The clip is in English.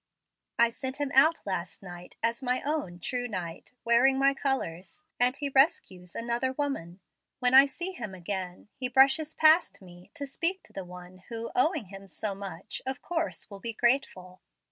"I sent him out last night as my own 'true knight,' wearing my colors, and he rescues another woman. When I see him again he brushes past me to speak to the one who, owing him so much, of course will be grateful.